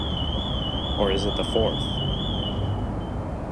Or is it the fourth?